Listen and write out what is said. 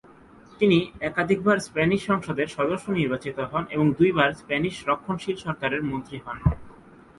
তিনি একাধিকবার স্প্যানিশ সংসদের সদস্য নির্বাচিত হন এবং দুইবার স্প্যানিশ রক্ষণশীল সরকারের মন্ত্রী হন।